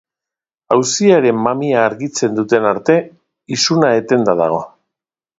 Auziaren mamia argitzen duten arte, isuna etenda dago.